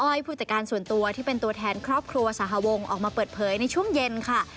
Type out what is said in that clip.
ผู้จัดการส่วนตัวที่เป็นตัวแทนครอบครัวสหวงออกมาเปิดเผยในช่วงเย็นค่ะ